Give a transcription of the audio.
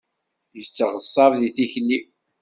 Yetteɣṣab di tikli.